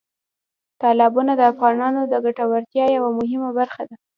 تالابونه د افغانانو د ګټورتیا یوه مهمه برخه ده.